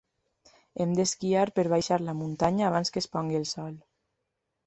Em d'esquiar per baixar la muntanya abans que es pongui el sol.